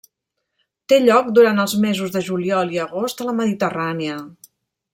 Té lloc durant els mesos de juliol i agost a la Mediterrània.